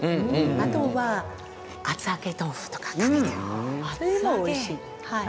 あとは厚揚げ豆腐とかにかけてもおいしいです。